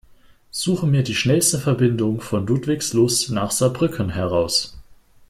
Suche mir die schnellste Verbindung von Ludwigslust nach Saarbrücken heraus.